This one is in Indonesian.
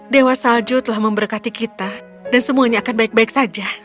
dewa salju telah memberkati kita dan semuanya akan baik baik saja